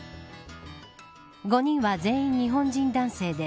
５人は全員、日本人男性で